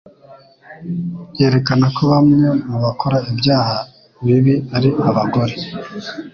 yerekana ko bamwe mu bakora ibyaha bibi ari abagore